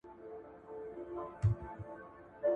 كوم اورنګ به خپل زخمونه ويني ژاړې